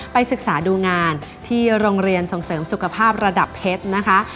ศึกษาดูงานที่โรงเรียนส่งเสริมสุขภาพระดับเพชรนะคะ